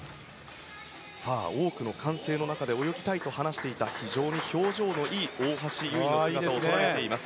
多くの歓声の中で泳ぎたいと話していた非常に表情のいい大橋悠依の姿を捉えています。